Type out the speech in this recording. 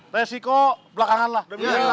resiko belakangan lah demi si neng raya